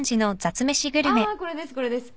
あこれですこれです。